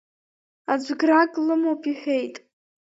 Аӡә грак лымоуп иҳәеит.